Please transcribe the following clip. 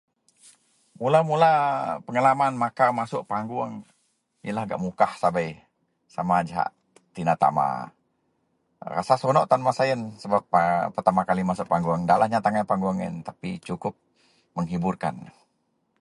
Mula-mula pengalaman makau masuok paguong yenlah gak Mukah sabei sama jahak tina tama. Rasa seronok tan masa yen sebab a pertama kali masuok paguong. Ndalah nyat angai paguong yen tapi sukup menghiburkan.